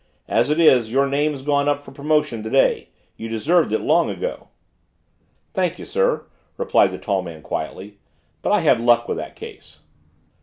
As it is, your name's gone up for promotion today; you deserved it long ago." "Thank you, sir," replied the tall man quietly, "but I had luck with that case."